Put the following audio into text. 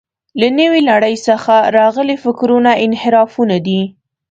له نوې نړۍ څخه راغلي فکرونه انحرافونه دي.